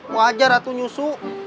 wajar itu nyusu